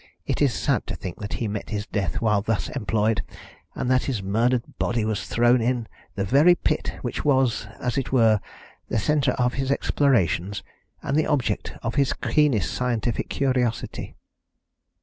It is sad to think that he met his death while thus employed, and that his murdered body was thrown in the very pit which was, as it were, the centre of his explorations and the object of his keenest scientific curiosity."